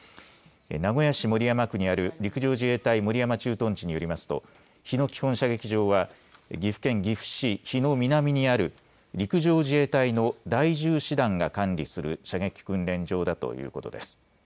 名古屋市守山区にある陸上自衛隊守山駐屯地によりますと日野基本射撃場は岐阜県岐阜市日野南にある陸上自衛隊の第１０師団が管理する射撃訓練場だということです。